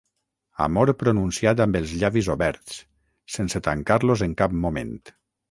Amor pronunciat amb els llavis oberts, sense tancar-los en cap moment.